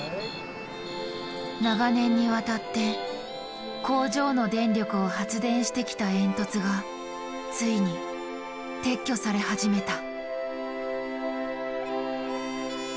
長年にわたって工場の電力を発電してきた煙突がついに撤去され始めた。